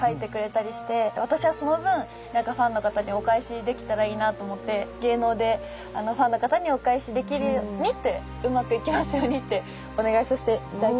私はその分ファンの方にお返しできたらいいなと思って芸能でファンの方にお返しできるようにってうまくいきますようにってお願いさせて頂きましたはい。